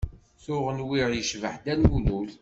Tuɣ nwiɣ yecbeḥ Dda Lmulud.